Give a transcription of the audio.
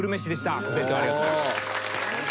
ご清聴ありがとうございました。